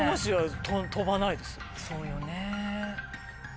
そうよねぇ。